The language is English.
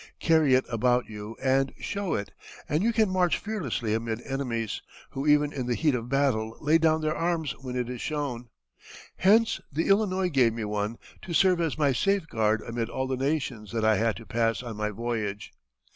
Carry it about you and show it, and you can march fearlessly amid enemies, who even in the heat of battle lay down their arms when it is shown. Hence the Illinois gave me one, to serve as my safeguard amid all the nations that I had to pass on my voyage.